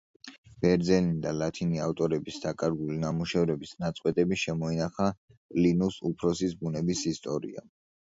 ბერძენი და ლათინი ავტორების დაკარგული ნამუშევრების ნაწყვეტები შემოინახა პლინიუს უფროსის „ბუნების ისტორიამ“.